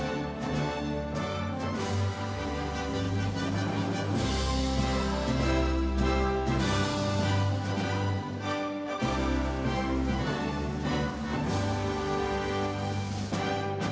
untuk para paslon silahkan tempatin tempat duduk yang sudah kami siapkan